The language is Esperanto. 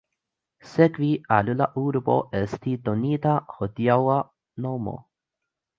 Sekve al la urbo estis donita hodiaŭa nomo.